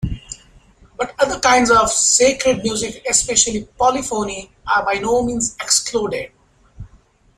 But other kinds of sacred music, especially polyphony, are by no means excluded...